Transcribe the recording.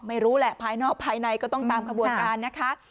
ไม่รู้แหละภายนอกภายในก็ต้องตามขบวนการนะคะ